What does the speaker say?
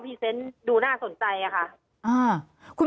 มันเป็นอาหารของพระราชา